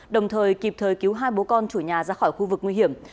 đồng thời kịp thời cứu hai bố con chủ nhà ra khỏi khu vực nguy hiểm